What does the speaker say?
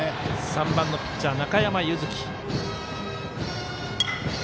３番ピッチャーの中山優月。